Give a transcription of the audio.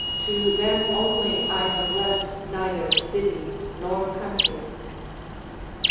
To them only I have left neither city nor country.